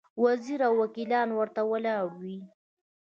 وزیران او وکیلان ورته ولاړ وي.